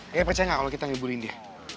reva percaya gak kalo kita liburin dia